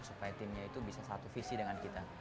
supaya timnya itu bisa satu visi dengan kita